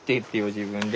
自分で。